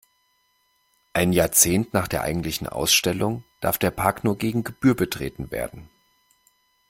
Ein Jahrzehnt nach der eigentlichen Ausstellung darf der Park nur gegen Gebühr betreten werden.